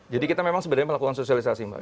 jadi kita memang sebenarnya melakukan sosialisasi mbak